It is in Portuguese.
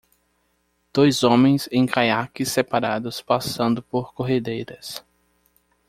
Dois homens em caiaques separados passando por corredeiras.